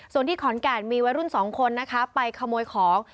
ส่วนที่ขอนแก่นมีวัยรุ่นสองคนนะคะไปขโมยของ